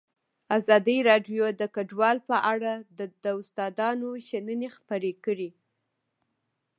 ازادي راډیو د کډوال په اړه د استادانو شننې خپرې کړي.